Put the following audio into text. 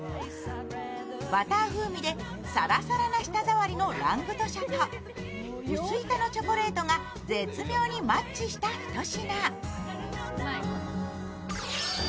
バター風味でサラサラな舌触りのラングドシャと薄板のチョコレートが絶妙にマッチした一品。